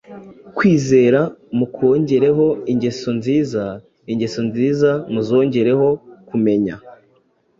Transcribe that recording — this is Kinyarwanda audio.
kwizera mukongereho ingeso nziza; ingeso nziza muzongereho kumenya;